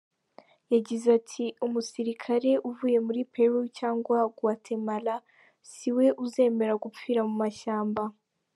Yagize ati “Umusirikari uvuye muri Peru cyangwa Guatemala si we uzemera gupfira mu mashyamba”.